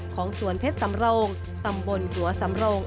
ของสวนเพชรสำโรงตำบลหัวสำโรง